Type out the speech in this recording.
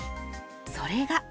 それが。